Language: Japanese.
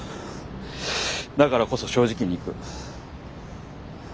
だからこそ正直にいく。